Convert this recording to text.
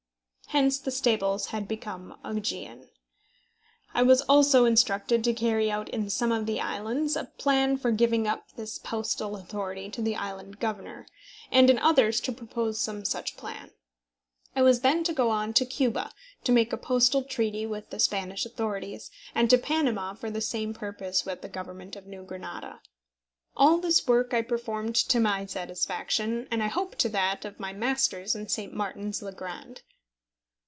Hence the stables had become Augean. I was also instructed to carry out in some of the islands a plan for giving up this postal authority to the island Governor, and in others to propose some such plan. I was then to go on to Cuba, to make a postal treaty with the Spanish authorities, and to Panama for the same purpose with the Government of New Grenada. All this work I performed to my satisfaction, and I hope to that of my masters in St. Martin's le Grand.